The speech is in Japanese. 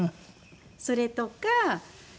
それとか。